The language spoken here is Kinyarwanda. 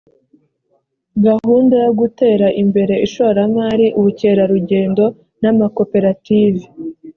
gahunda yo gutera imbere ishoramari ubukerarugendo n’amakoperative